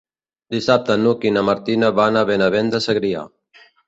Dissabte n'Hug i na Martina van a Benavent de Segrià.